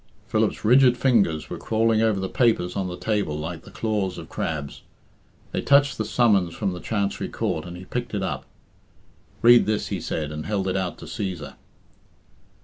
Philip's rigid fingers were crawling over the papers on the table like the claws of crabs. They touched the summons from the Chancery Court, and he picked it up. "Read this," he said, and held it out to Cæsar.